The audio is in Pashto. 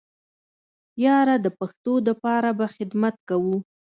ياره د پښتو د پاره به خدمت کوو.